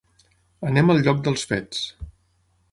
Anem al lloc dels fets.